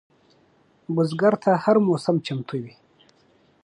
بزګر ته هره موسم چمتو وي